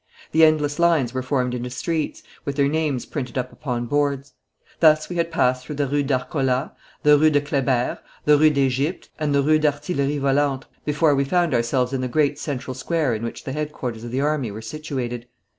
The endless lines were formed into streets, with their names printed up upon boards. Thus we had passed through the Rue d'Arcola, the Rue de Kleber, the Rue d'Egypte, and the Rue d'Artillerie Volante, before we found ourselves in the great central square in which the headquarters of the army were situated.